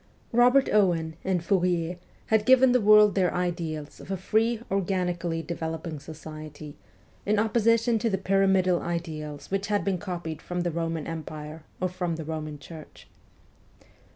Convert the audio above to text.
Robert Owen and Fourier had given the world their ideals of a free, organically developing society, in opposition to the pyramidal ideals which had been copied from the Roman Empire or from the Roman Church.